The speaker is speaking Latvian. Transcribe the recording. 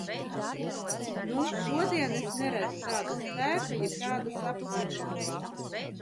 Nu, šodien es neredzu tāda spēka jeb tādas apvienības.